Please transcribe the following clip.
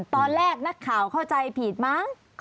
ตอนแรกนักข่าวเข้าใจผิดมั้ง